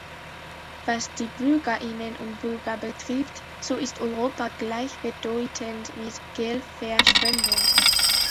Was die Bürgerinnen und Bürger betrifft, so ist Europa gleichbedeutend mit Geldverschwendung.